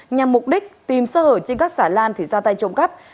nhằm mục đích tìm sơ hở trên các xà lan thì ra tay trộm cắp